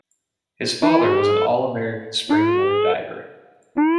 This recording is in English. His father was an All-American springboard diver.